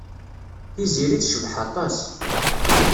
Tiziri tecbeḥ aṭas.